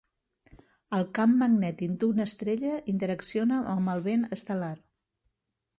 El camp magnètic d'una estrella interacciona amb el vent estel·lar.